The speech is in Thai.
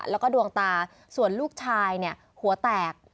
แล้วก็ดวงตาส่วนลูกชายเนี่ยหัวแตก